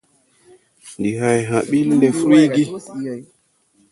Ndi hay hã bil ne fruygi.